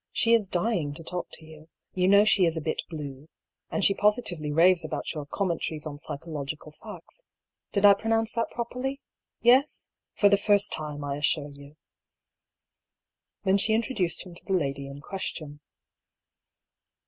" She is dying to talk to you. You know she is a bit blue — and she positively raves about your 'Commentaries on Psychological Facts.' Did I pro nounce that properly? Yes? For the first time, I as sure you ?" Then she introduced him to the lady in question.